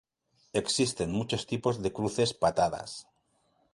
Existen muchos tipos de cruces patadas.